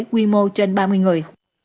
quy mô trên ba mươi người